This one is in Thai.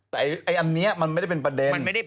แต่อันนี้มันไม่ได้เป็นประเด็น